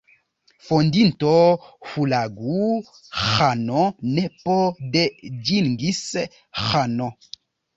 Fondinto Hulagu-Ĥano, nepo de Ĝingis-Ĥano.